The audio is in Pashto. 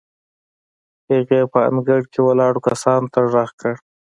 هغې په انګړ کې ولاړو کسانو ته غږ کړ.